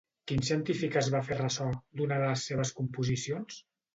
Quin científic es va fer ressò d'una de les seves composicions?